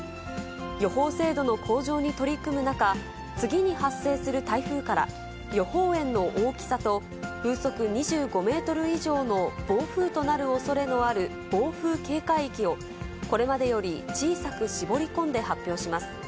予報精度の向上に取り組む中、次に発生する台風から、予報円の大きさと、風速２５メートル以上の暴風となるおそれのある暴風警戒域を、これまでより小さく絞り込んで発表します。